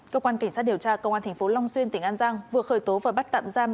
cơ quan cảnh sát điều tra công an tp long xuyên tỉnh an giang vừa khởi tố và bắt tạm giam